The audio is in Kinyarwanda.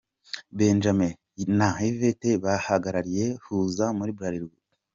Benjamin na Yvette bahagarariye Huza muri Bralirwa.